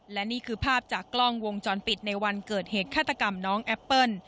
และนี่คือภาพจากกล้องวงจรปิดในวันเกิดเหตุฆาตกรรมน้องแอปเปิ้ล